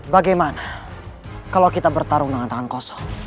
bagaimana kalau kita bertarung dengan tangan kosong